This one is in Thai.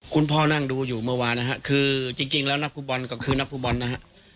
คุณพ่อนั่งดูอยู่เมื่อวานนะครับคือจริงแล้วนักภูมิบอลก็คือนักภูมิบอลนะครับ